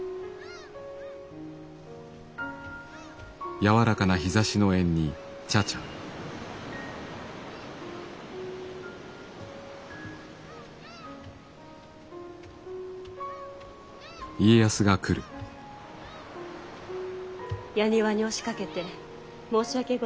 やにわに押しかけて申し訳ございませぬ。